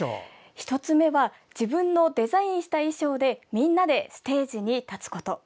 １つ目は自分のデザインした衣装でみんなでステージに立つこと。